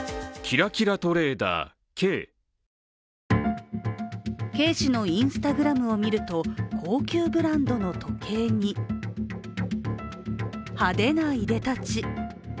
Ｋ氏のＩｎｓｔａｇｒａｍを見ると高級ブランドの時計に派手な出で立ち。